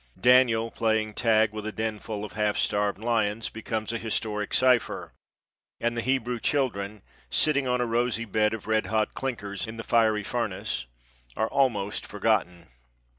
Daniel playing "tag" with a denful of half starved lions becomes a historic cipher, and the Hebrew children, sitting on a rosy bed of red hot clinkers in the fiery furnace, are almost forgotten.